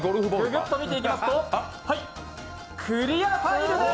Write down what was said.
ぐぐっと見ていきますとクリアファイルです！